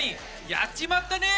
やっちまったにぃ！